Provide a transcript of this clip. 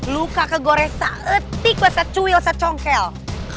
luka kegoresan kekacauan kecoklatan